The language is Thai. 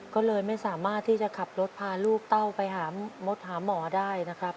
ก็เลยไม่สามารถที่จะขับรถพาลูกเต้าไปหามดหาหมอได้นะครับ